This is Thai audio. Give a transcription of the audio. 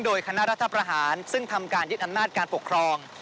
โดยคณะรัฐประหารซึ่งทำการยึดอำนาจการปกครอง